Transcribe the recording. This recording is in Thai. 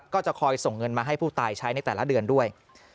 ก็จะคอยส่งเงินมาให้ผู้ตายใช้ในแต่ละเดือนด้วย